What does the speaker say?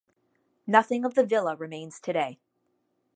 Nothing of the villa remains today.